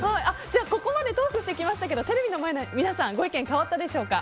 ここまでトークしてきましたがテレビの前の皆さんご意見変わったでしょうか。